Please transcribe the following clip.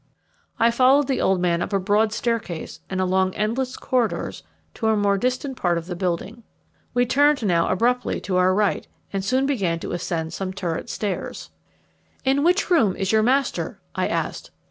I followed the old man up a broad staircase and along endless corridors to a more distant part of the building. We turned now abruptly to our right, and soon began to ascend some turret stairs. "In which room is your master?" I asked.